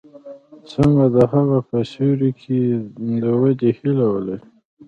څنګه د هغه په سیوري کې د ودې هیله ولري.